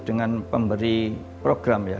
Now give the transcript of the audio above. dengan pemberi program